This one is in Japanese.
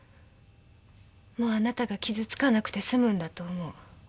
もうあなたが傷つかなくて済むんだと思う。